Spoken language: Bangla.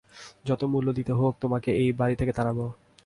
যতো মূল্যই দিতে হোক তোকে এই বাড়ি থেকে তাড়াবো।